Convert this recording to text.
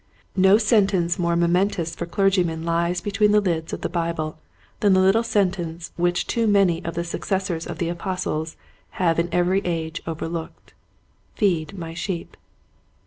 No sentence more momentous for clergy men lies between the lids of the Bible than the little sentence which too many of the successors of the Apostles have in every age overlooked. '' Feed my sheep."